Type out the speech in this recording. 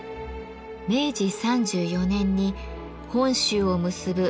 明治３４年に本州を結ぶ関門